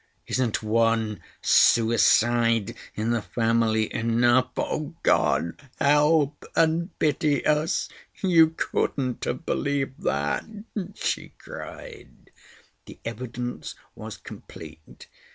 "Isn't one suicide in the family enough? Oh God, help and pity us! You couldn't have believed that!" she cried. "The evidence was complete.